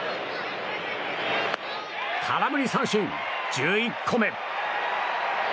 空振り三振、１１個目。